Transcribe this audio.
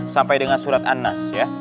sampai dengan surat an nas ya